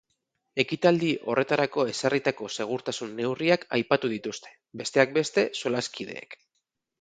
Ekitaldi horretarako ezarritako segurtasun neurriak aipatu dituzte, besteak beste, solaskideek.